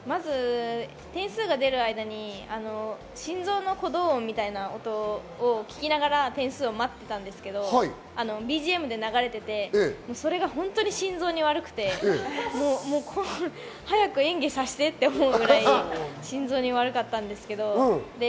点差が出る間に心臓の鼓動音みたいな音を聞きながら点数を待ってたんですけど、ＢＧＭで流れていって、それが本当に心臓に悪くて、早く演技させてって思うぐらい心臓に悪かったんですけれど。